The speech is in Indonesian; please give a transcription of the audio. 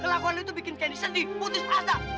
kelakuan lu tuh bikin candy sedih putus perasaan